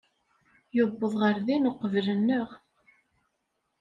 Yuweḍ ɣer din uqbel-nneɣ.